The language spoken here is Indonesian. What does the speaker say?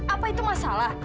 apa itu masalah